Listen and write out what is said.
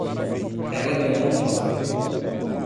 Ela ganhou um Oscar.